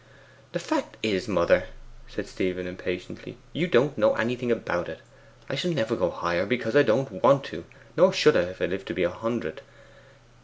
'The fact is, mother,' said Stephen impatiently, 'you don't know anything about it. I shall never go higher, because I don't want to, nor should I if I lived to be a hundred.